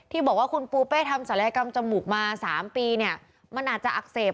บอกว่าคุณปูเป้ทำศัลยกรรมจมูกมา๓ปีเนี่ยมันอาจจะอักเสบ